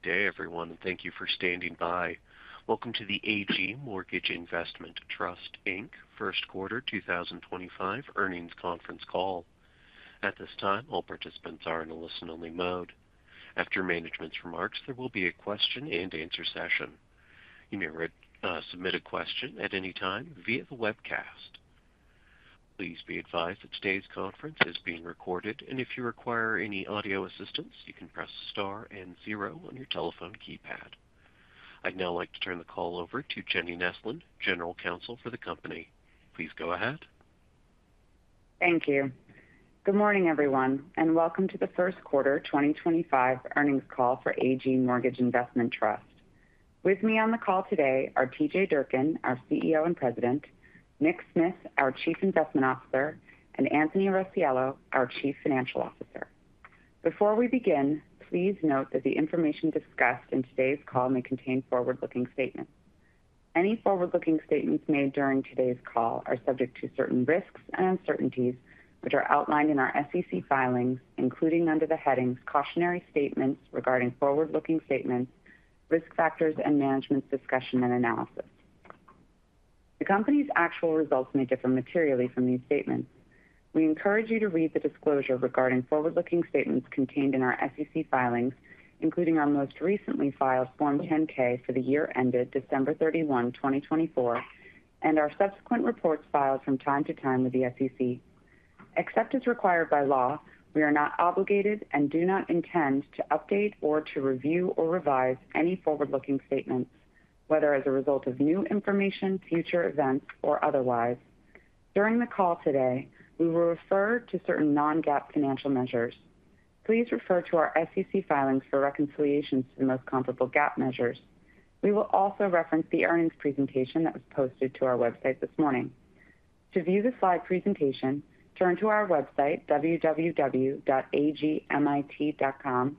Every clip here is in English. Good day, everyone, and thank you for standing by. Welcome to the AG Mortgage Investment Trust, First Quarter 2025 Earnings Conference Call. At this time, all participants are in a listen-only mode. After management's remarks, there will be a question-and-answer session. You may submit a question at any time via the webcast. Please be advised that today's conference is being recorded, and if you require any audio assistance, you can press star and zero on your telephone keypad. I'd now like to turn the call over to Jenny Neslin, General Counsel for the company. Please go ahead. Thank you. Good morning, everyone, and welcome to the First Quarter 2025 Earnings Call for AG Mortgage Investment Trust. With me on the call today are T.J. Durkin, our CEO and President; Nick Smith, our Chief Investment Officer; and Anthony Rossiello, our Chief Financial Officer. Before we begin, please note that the information discussed in today's call may contain forward-looking statements. Any forward-looking statements made during today's call are subject to certain risks and uncertainties, which are outlined in our SEC filings, including under the headings "Cautionary Statements Regarding Forward-Looking Statements," "Risk Factors," and "Management's Discussion and Analysis." The company's actual results may differ materially from these statements. We encourage you to read the disclosure regarding forward-looking statements contained in our SEC filings, including our most recently filed Form 10-K for the year ended December 31, 2024, and our subsequent reports filed from time to time with the SEC. Except as required by law, we are not obligated and do not intend to update or to review or revise any forward-looking statements, whether as a result of new information, future events, or otherwise. During the call today, we will refer to certain non-GAAP financial measures. Please refer to our SEC filings for reconciliations to the most comparable GAAP measures. We will also reference the earnings presentation that was posted to our website this morning. To view the slide presentation, turn to our website, www.agmit.com,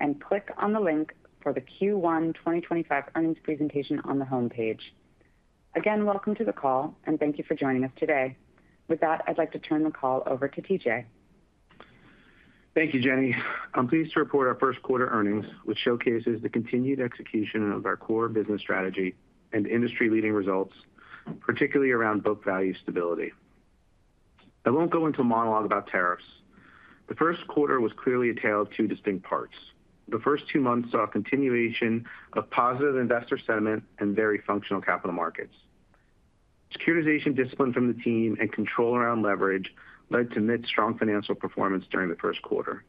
and click on the link for the Q1 2025 earnings presentation on the homepage. Again, welcome to the call, and thank you for joining us today. With that, I'd like to turn the call over to T.J. Thank you, Jenny. I'm pleased to report our first quarter earnings, which showcases the continued execution of our core business strategy and industry-leading results, particularly around book value stability. I won't go into a monologue about tariffs. The first quarter was clearly a tale of two distinct parts. The first two months saw a continuation of positive investor sentiment and very functional capital markets. Securitization discipline from the team and control around leverage led to mid-strong financial performance during the first quarter.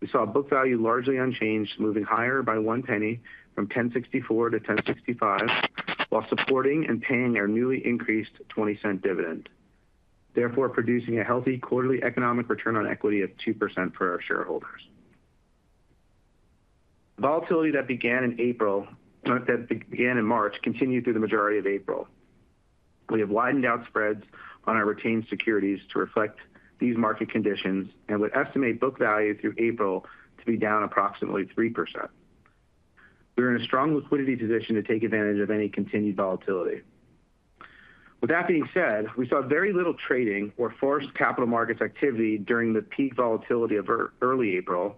We saw book value largely unchanged, moving higher by one penny from $10.64 to $10.65 while supporting and paying our newly increased $0.20 dividend, therefore producing a healthy quarterly economic return on equity of 2% for our shareholders. Volatility that began in March continued through the majority of April. We have widened out spreads on our retained securities to reflect these market conditions and would estimate book value through April to be down approximately 3%. We're in a strong liquidity position to take advantage of any continued volatility. With that being said, we saw very little trading or forced capital markets activity during the peak volatility of early April,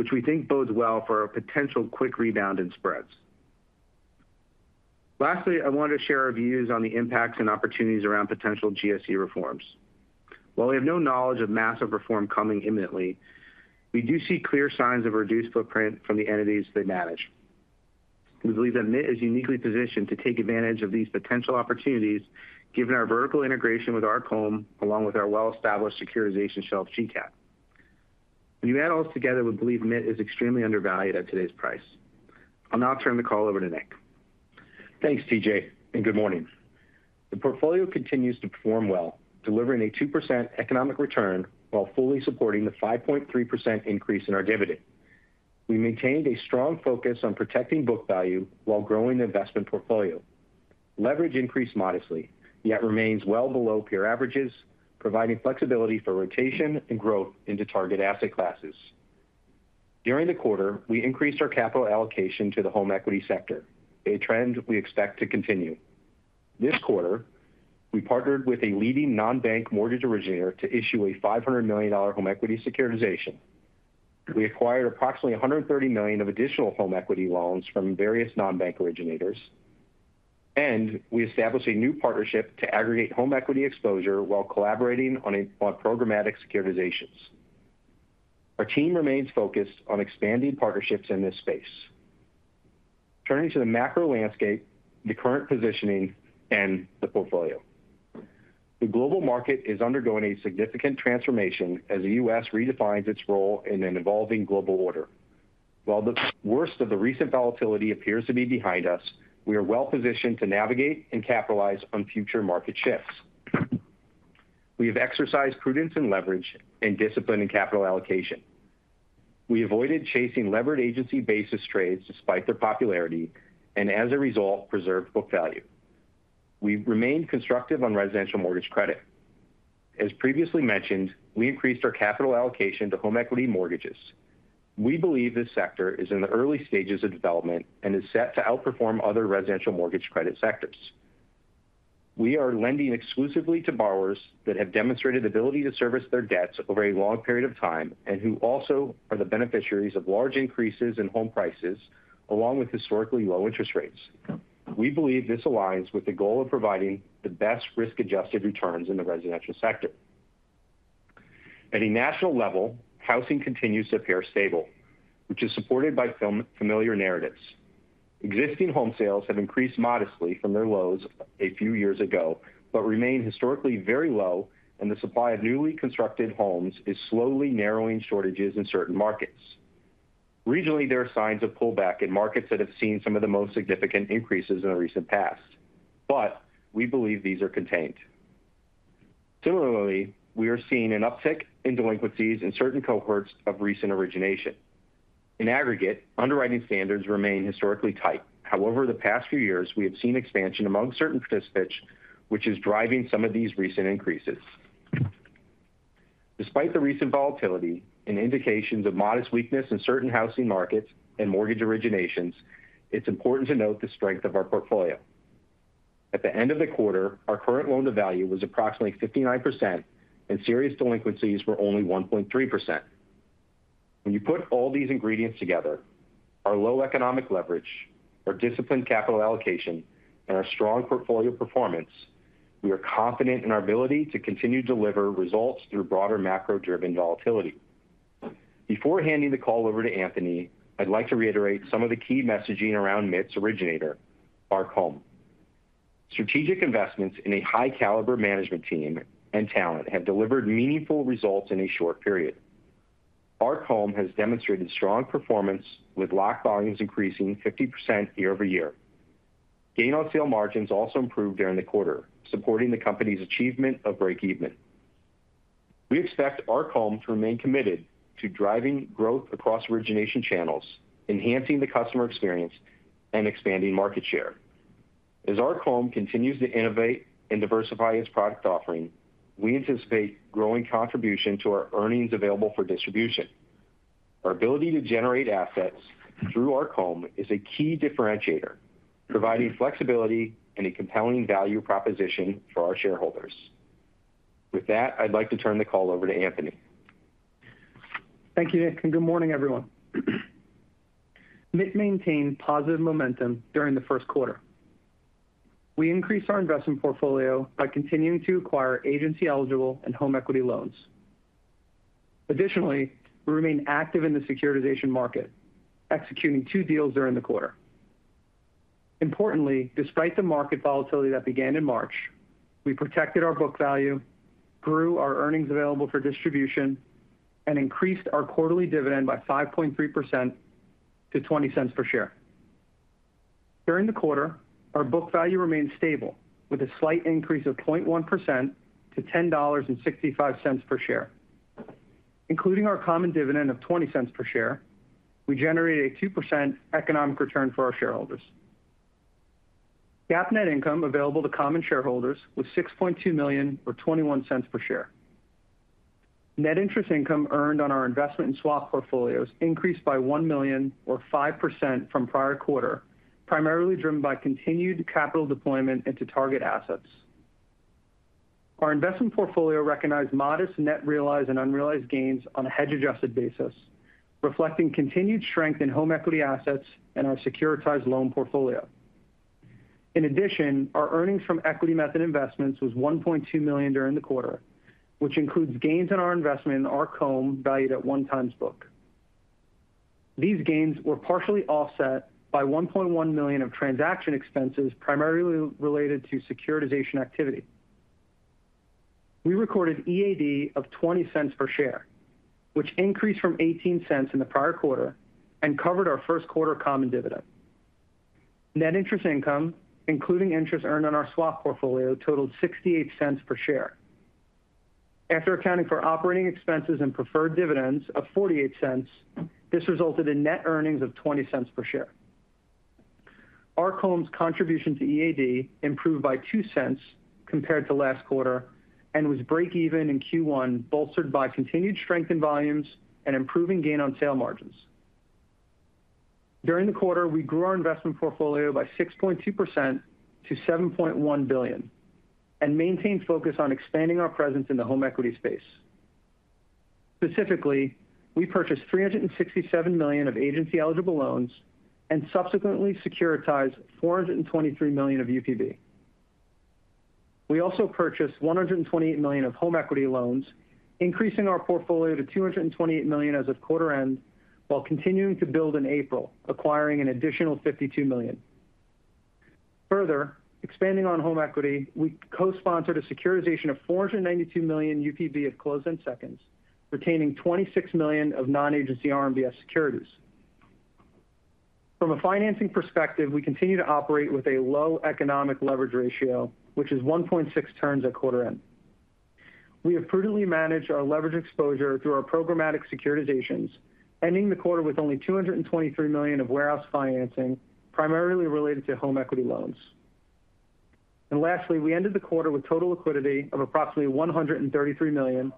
which we think bodes well for a potential quick rebound in spreads. Lastly, I wanted to share our views on the impacts and opportunities around potential GSE reforms. While we have no knowledge of massive reform coming imminently, we do see clear signs of a reduced footprint from the entities they manage. We believe that MIT is uniquely positioned to take advantage of these potential opportunities, given our vertical integration with Arc Home, along with our well-established securitization shelf, GCAT. When you add all this together, we believe MIT is extremely undervalued at today's price. I'll now turn the call over to Nick. Thanks, T.J., and good morning. The portfolio continues to perform well, delivering a 2% economic return while fully supporting the 5.3% increase in our dividend. We maintained a strong focus on protecting book value while growing the investment portfolio. Leverage increased modestly, yet remains well below peer averages, providing flexibility for rotation and growth into target asset classes. During the quarter, we increased our capital allocation to the home equity sector, a trend we expect to continue. This quarter, we partnered with a leading non-bank mortgage originator to issue a $500 million home equity securitization. We acquired approximately $130 million of additional home equity loans from various non-bank originators, and we established a new partnership to aggregate home equity exposure while collaborating on programmatic securitizations. Our team remains focused on expanding partnerships in this space. Turning to the macro landscape, the current positioning, and the portfolio. The global market is undergoing a significant transformation as the U.S. redefines its role in an evolving global order. While the worst of the recent volatility appears to be behind us, we are well-positioned to navigate and capitalize on future market shifts. We have exercised prudence in leverage and discipline in capital allocation. We avoided chasing levered agency-basis trades despite their popularity and, as a result, preserved book value. We remained constructive on residential mortgage credit. As previously mentioned, we increased our capital allocation to home equity mortgages. We believe this sector is in the early stages of development and is set to outperform other residential mortgage credit sectors. We are lending exclusively to borrowers that have demonstrated the ability to service their debts over a long period of time and who also are the beneficiaries of large increases in home prices along with historically low interest rates. We believe this aligns with the goal of providing the best risk-adjusted returns in the residential sector. At a national level, housing continues to appear stable, which is supported by familiar narratives. Existing home sales have increased modestly from their lows a few years ago but remain historically very low, and the supply of newly constructed homes is slowly narrowing shortages in certain markets. Regionally, there are signs of pullback in markets that have seen some of the most significant increases in the recent past, but we believe these are contained. Similarly, we are seeing an uptick in delinquencies in certain cohorts of recent origination. In aggregate, underwriting standards remain historically tight. However, the past few years, we have seen expansion among certain participants, which is driving some of these recent increases. Despite the recent volatility and indications of modest weakness in certain housing markets and mortgage originations, it's important to note the strength of our portfolio. At the end of the quarter, our current loan-to-value was approximately 59%, and serious delinquencies were only 1.3%. When you put all these ingredients together, our low economic leverage, our disciplined capital allocation, and our strong portfolio performance, we are confident in our ability to continue to deliver results through broader macro-driven volatility. Before handing the call over to Anthony, I'd like to reiterate some of the key messaging around MIT's originator, Arc Home. Strategic investments in a high-caliber management team and talent have delivered meaningful results in a short period. Arc Home has demonstrated strong performance, with locked volumes increasing 50% year over year. Gain on sale margins also improved during the quarter, supporting the company's achievement of breakeven. We expect Arc Home to remain committed to driving growth across origination channels, enhancing the customer experience, and expanding market share. As Arc Home continues to innovate and diversify its product offering, we anticipate growing contribution to our earnings available for distribution. Our ability to generate assets through Arc Home is a key differentiator, providing flexibility and a compelling value proposition for our shareholders. With that, I'd like to turn the call over to Anthony. Thank you, Nick, and good morning, everyone. MIT maintained positive momentum during the first quarter. We increased our investment portfolio by continuing to acquire agency-eligible and home equity loans. Additionally, we remain active in the securitization market, executing two deals during the quarter. Importantly, despite the market volatility that began in March, we protected our book value, grew our earnings available for distribution, and increased our quarterly dividend by 5.3% to $0.20 per share. During the quarter, our book value remained stable, with a slight increase of 0.1% to $10.65 per share. Including our common dividend of $0.20 per share, we generated a 2% economic return for our shareholders. GAAP net income available to common shareholders was $6.2 million, or $0.21 per share. Net interest income earned on our investment and swap portfolios increased by $1 million, or 5%, from prior quarter, primarily driven by continued capital deployment into target assets. Our investment portfolio recognized modest net realized and unrealized gains on a hedge-adjusted basis, reflecting continued strength in home equity assets and our securitized loan portfolio. In addition, our earnings from Equity Method Investments was $1.2 million during the quarter, which includes gains in our investment in Arc Home valued at one time's book. These gains were partially offset by $1.1 million of transaction expenses primarily related to securitization activity. We recorded EAD of $0.20 per share, which increased from $0.18 in the prior quarter and covered our first quarter common dividend. Net interest income, including interest earned on our swap portfolio, totaled $0.68 per share. After accounting for operating expenses and preferred dividends of $0.48, this resulted in net earnings of $0.20 per share. Arc Home's contribution to EAD improved by $0.02 compared to last quarter and was breakeven in Q1, bolstered by continued strength in volumes and improving gain on sale margins. During the quarter, we grew our investment portfolio by 6.2% to $7.1 billion and maintained focus on expanding our presence in the home equity space. Specifically, we purchased $367 million of agency-eligible loans and subsequently securitized $423 million of UPB. We also purchased $128 million of home equity loans, increasing our portfolio to $228 million as of quarter end while continuing to build in April, acquiring an additional $52 million. Further, expanding on home equity, we co-sponsored a securitization of $492 million UPB of closed-end seconds, retaining $26 million of non-agency RMBS securities. From a financing perspective, we continue to operate with a low economic leverage ratio, which is 1.6 turns at quarter end. We have prudently managed our leverage exposure through our programmatic securitizations, ending the quarter with only $223 million of warehouse financing, primarily related to home equity loans. Lastly, we ended the quarter with total liquidity of approximately $133 million,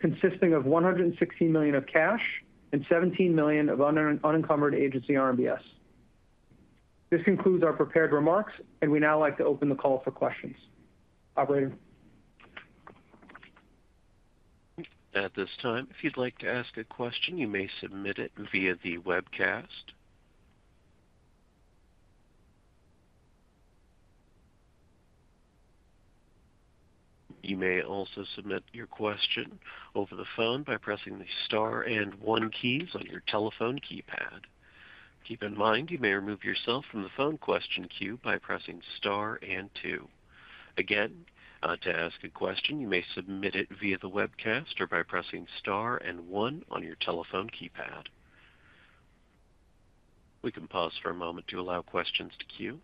consisting of $116 million of cash and $17 million of unencumbered agency RMBS. This concludes our prepared remarks, and we now like to open the call for questions. Operator. At this time, if you'd like to ask a question, you may submit it via the webcast. You may also submit your question over the phone by pressing the star and one keys on your telephone keypad. Keep in mind, you may remove yourself from the phone question queue by pressing star and two. Again, to ask a question, you may submit it via the webcast or by pressing star and one on your telephone keypad. We can pause for a moment to allow questions to queue.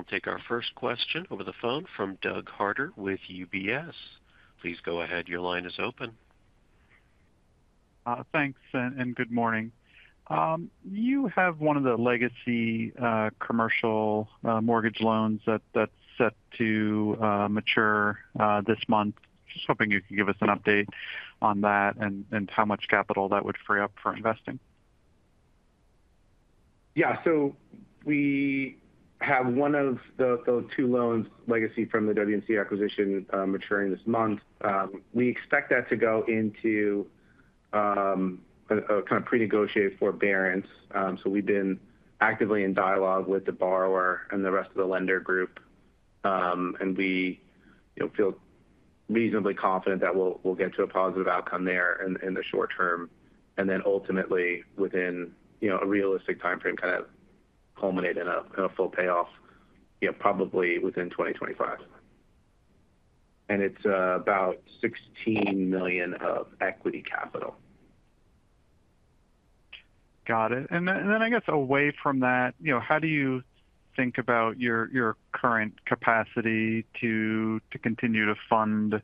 We'll take our first question over the phone from Doug Harter with UBS. Please go ahead. Your line is open. Thanks, and good morning. You have one of the legacy commercial mortgage loans that's set to mature this month. Just hoping you can give us an update on that and how much capital that would free up for investing. Yeah, so we have one of the two loans legacy from the WMC acquisition maturing this month. We expect that to go into a kind of pre-negotiated forbearance. We've been actively in dialogue with the borrower and the rest of the lender group, and we feel reasonably confident that we'll get to a positive outcome there in the short term. Ultimately, within a realistic time frame, kind of culminate in a full payoff probably within 2025. It's about $16 million of equity capital. Got it. I guess away from that, how do you think about your current capacity to continue to fund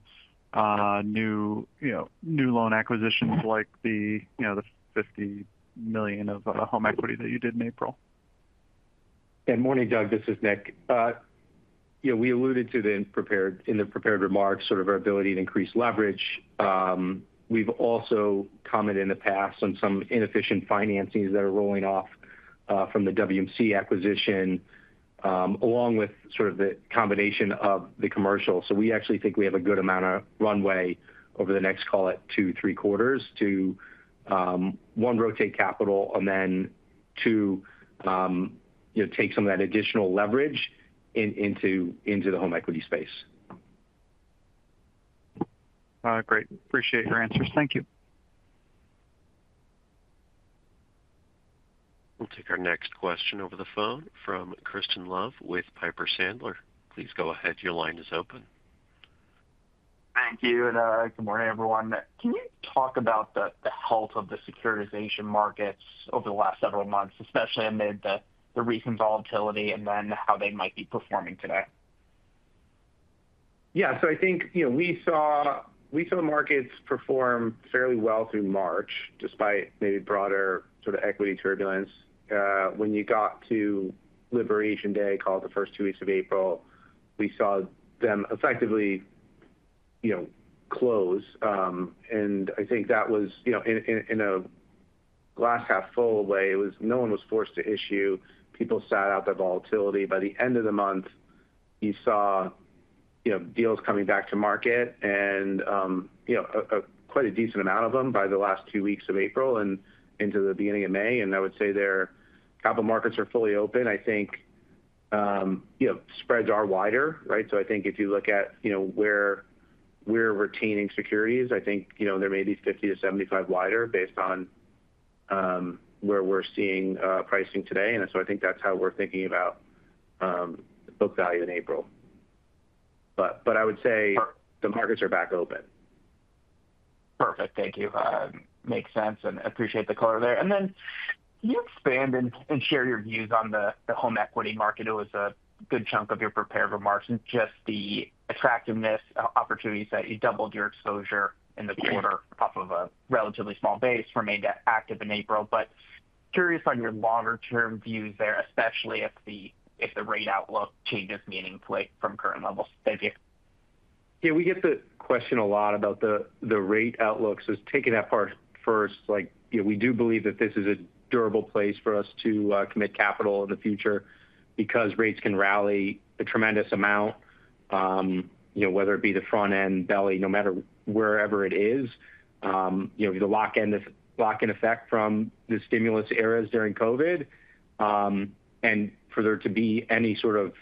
new loan acquisitions like the $50 million of home equity that you did in April? Good morning, Doug. This is Nick. We alluded to in the prepared remarks sort of our ability to increase leverage. We've also commented in the past on some inefficient financings that are rolling off from the WMC acquisition, along with sort of the combination of the commercial. We actually think we have a good amount of runway over the next, call it, two, three quarters to, one, rotate capital, and then two, take some of that additional leverage into the home equity space. Great. Appreciate your answers. Thank you. We'll take our next question over the phone from Crispin Love with Piper Sandler. Please go ahead. Your line is open. Thank you. Good morning, everyone. Can you talk about the health of the securitization markets over the last several months, especially amid the recent volatility, and then how they might be performing today? Yeah, so I think we saw markets perform fairly well through March, despite maybe broader sort of equity turbulence. When you got to Liberation Day, called the first two weeks of April, we saw them effectively close. I think that was in a glass half full way. No one was forced to issue. People sat out their volatility. By the end of the month, you saw deals coming back to market, and quite a decent amount of them by the last two weeks of April and into the beginning of May. I would say their capital markets are fully open. I think spreads are wider, right? If you look at where we're retaining securities, I think there may be 50 to 75 basis points wider based on where we're seeing pricing today. I think that's how we're thinking about book value in April. I would say the markets are back open. Perfect. Thank you. Makes sense. I appreciate the color there. Can you expand and share your views on the home equity market? It was a good chunk of your prepared remarks and just the attractiveness, opportunities that you doubled your exposure in the quarter off of a relatively small base, remained active in April. I am curious on your longer-term views there, especially if the rate outlook changes meaningfully from current levels. Thank you. Yeah, we get the question a lot about the rate outlook. Taking that part first, we do believe that this is a durable place for us to commit capital in the future because rates can rally a tremendous amount, whether it be the front end, belly, no matter wherever it is. The lock-in effect from the stimulus eras during COVID, and for there to be any sort of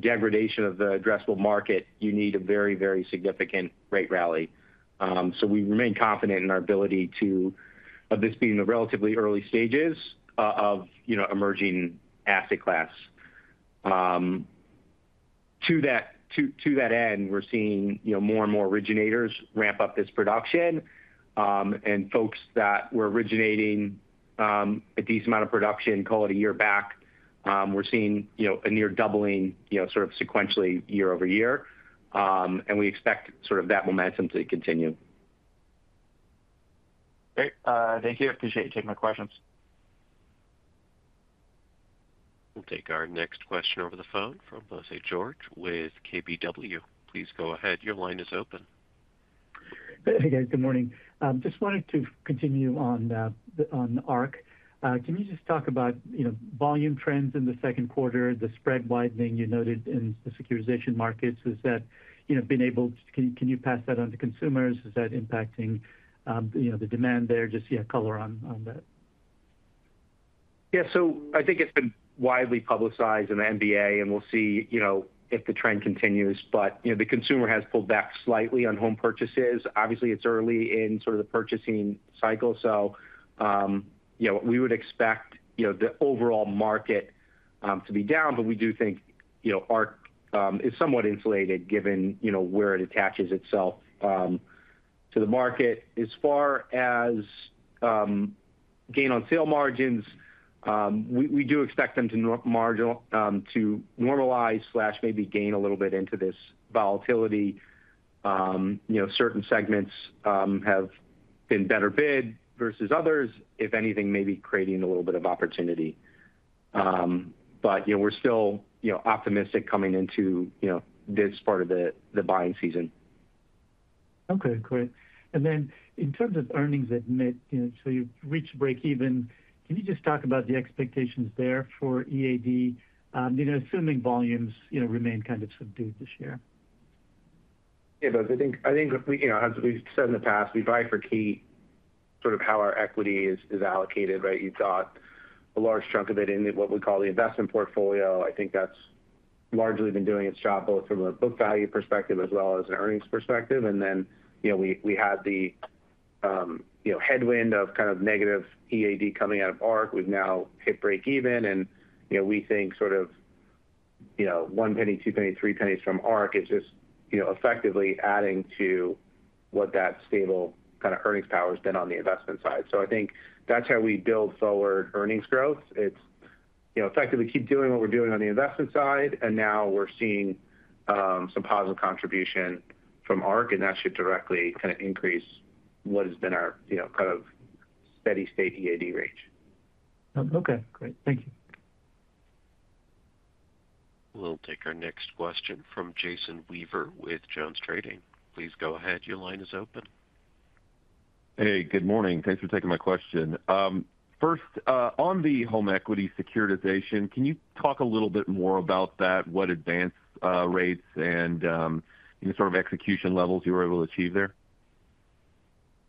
degradation of the addressable market, you need a very, very significant rate rally. We remain confident in our ability to, of this being the relatively early stages of emerging asset class. To that end, we're seeing more and more originators ramp up this production. Folks that were originating a decent amount of production, call it a year back, we're seeing a near doubling sort of sequentially year over year. We expect that momentum to continue. Great. Thank you. Appreciate you taking my questions. We'll take our next question over the phone from Bose George with KBW. Please go ahead. Your line is open. Hey, guys. Good morning. Just wanted to continue on Arc Home. Can you just talk about volume trends in the second quarter, the spread widening you noted in the securitization markets? Has that been able to, can you pass that on to consumers? Is that impacting the demand there? Just color on that. Yeah, so I think it's been widely publicized in the NBA, and we'll see if the trend continues. The consumer has pulled back slightly on home purchases. Obviously, it's early in sort of the purchasing cycle. We would expect the overall market to be down, but we do think Arc is somewhat insulated given where it attaches itself to the market. As far as gain on sale margins, we do expect them to normalize or maybe gain a little bit into this volatility. Certain segments have been better bid versus others, if anything, maybe creating a little bit of opportunity. We're still optimistic coming into this part of the buying season. Okay, great. In terms of earnings at MIT, you've reached breakeven. Can you just talk about the expectations there for EAD, assuming volumes remain kind of subdued this year? Yeah, I think as we've said in the past, we bifurcate sort of how our equity is allocated, right? You've got a large chunk of it in what we call the investment portfolio. I think that's largely been doing its job both from a book value perspective as well as an earnings perspective. Then we had the headwind of kind of negative EAD coming out of Arc Home. We've now hit breakeven, and we think sort of one penny, two pennies, three pennies from Arc Home is just effectively adding to what that stable kind of earnings power has been on the investment side. I think that's how we build forward earnings growth. It's effectively keep doing what we're doing on the investment side, and now we're seeing some positive contribution from Arc Home, and that should directly kind of increase what has been our kind of steady state EAD range. Okay, great. Thank you. We'll take our next question from Jason Weaver with Jones Trading. Please go ahead. Your line is open. Hey, good morning. Thanks for taking my question. First, on the home equity securitization, can you talk a little bit more about that? What advance rates and sort of execution levels you were able to achieve there?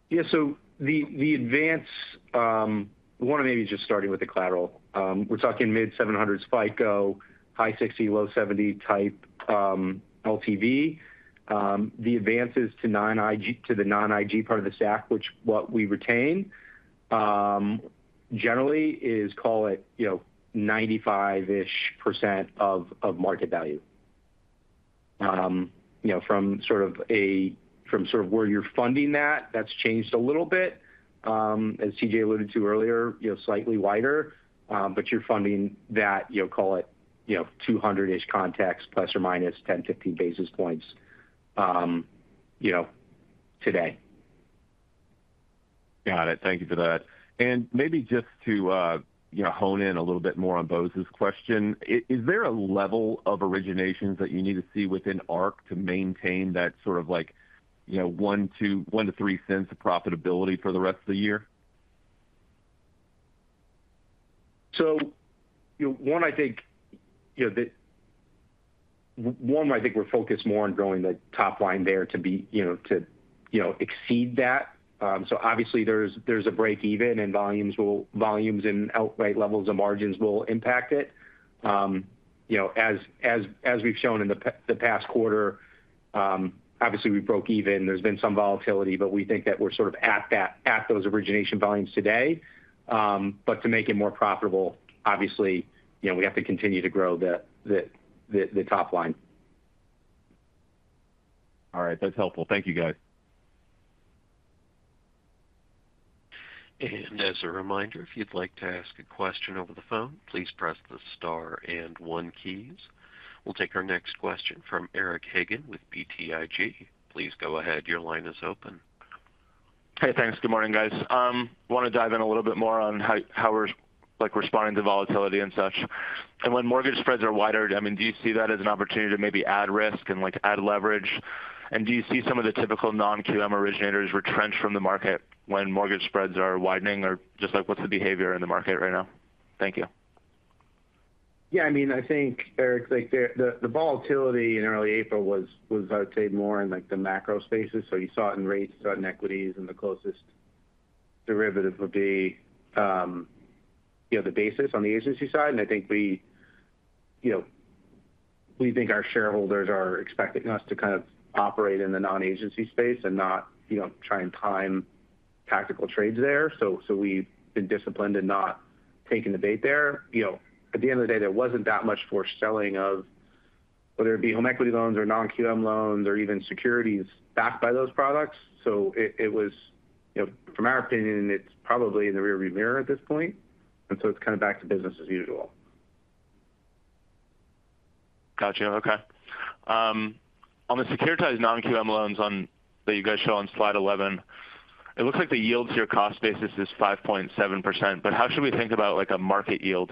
Yeah, so the advance, I want to maybe just starting with the collateral. We're talking mid-700s FICO, high 60- low 70- type LTV. The advances to the non-IG part of the stack, which what we retain generally is, call it 95% of market value. From sort of where you're funding that, that's changed a little bit. As CJ alluded to earlier, slightly wider, but you're funding that, call it 200- context, plus or minus 10-15 basis points today. Got it. Thank you for that. Maybe just to hone in a little bit more on Bose's question, is there a level of originations that you need to see within Arc to maintain that sort of one to three cents of profitability for the rest of the year? I think we're focused more on growing the top line there to exceed that. Obviously, there's a breakeven, and volumes and outright levels of margins will impact it. As we've shown in the past quarter, obviously, we broke even. There's been some volatility, but we think that we're sort of at those origination volumes today. To make it more profitable, obviously, we have to continue to grow the top line. All right. That's helpful. Thank you, guys. As a reminder, if you'd like to ask a question over the phone, please press the star and one keys. We'll take our next question from Eric Hagen with BTIG. Please go ahead. Your line is open. Hey, thanks. Good morning, guys. Want to dive in a little bit more on how we're responding to volatility and such. When mortgage spreads are wider, I mean, do you see that as an opportunity to maybe add risk and add leverage? Do you see some of the typical non-QM originators retrench from the market when mortgage spreads are widening? Just what's the behavior in the market right now? Thank you. Yeah, I mean, I think, Eric, the volatility in early April was, I would say, more in the macro spaces. You saw it in rates, saw it in equities, and the closest derivative would be the basis on the agency side. I think we think our shareholders are expecting us to kind of operate in the non-agency space and not try and time tactical trades there. We have been disciplined and not taken the bait there. At the end of the day, there was not that much for selling of whether it be home equity loans or non-QM loans or even securities backed by those products. From our opinion, it is probably in the rearview mirror at this point. It is kind of back to business as usual. Gotcha. Okay. On the securitized non-QM loans that you guys show on slide 11, it looks like the yield to your cost basis is 5.7%. How should we think about a market yield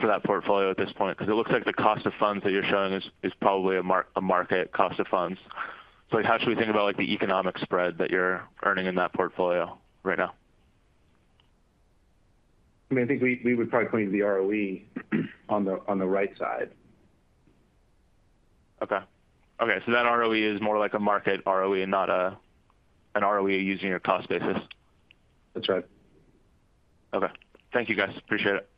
for that portfolio at this point? It looks like the cost of funds that you're showing is probably a market cost of funds. How should we think about the economic spread that you're earning in that portfolio right now? I mean, I think we would probably point to the ROE on the right side. Okay. Okay. So that ROE is more like a market ROE and not an ROE using your cost basis? That's right. Okay. Thank you, guys. Appreciate it.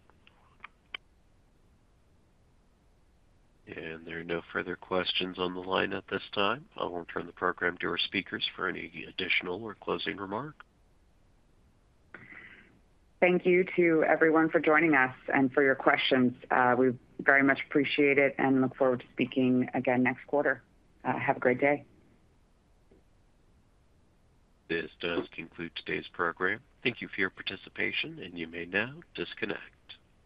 There are no further questions on the line at this time. I'll return the program to our speakers for any additional or closing remark. Thank you to everyone for joining us and for your questions. We very much appreciate it and look forward to speaking again next quarter. Have a great day. This does conclude today's program. Thank you for your participation, and you may now disconnect.